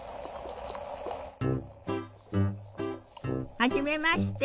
はじめまして。